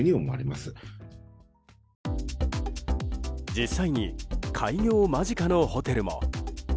実際に開業間近のホテルも。